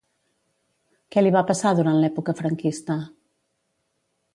Què li va passar durant l'època franquista?